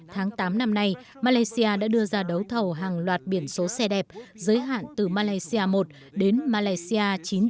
tháng tám năm nay malaysia đã đưa ra đấu thầu hàng loạt biển số xe đẹp giới hạn từ malaysia i đến malaysia chín nghìn chín trăm chín mươi chín